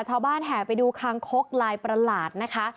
ชาวบ้านแห่ไปดูคางคกลายประหลาดนะคะ